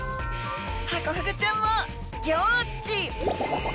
ハコフグちゃんもギョっち！